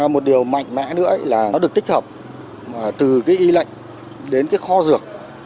một điều mạnh mẽ nữa là nó được tích hợp từ cái y lệnh đến cái kho dược